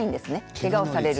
けがをされる。